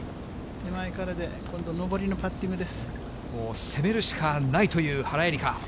手前からで、今度、もう攻めるしかないという原英莉花。